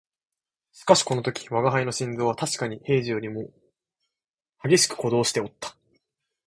しかしこの時吾輩の心臓はたしかに平時よりも烈しく鼓動しておった